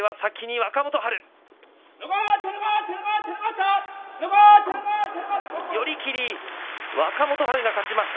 若元春が勝ちました。